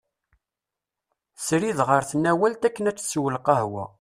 Srid ɣer tnawalt akken ad d-tessew lqahwa.